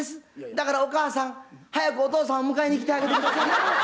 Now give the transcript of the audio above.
だからお母さん早くお父さんを迎えにきてあげて下さい。